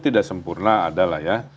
tidak sempurna adalah ya